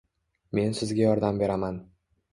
Men sizga yordam beraman.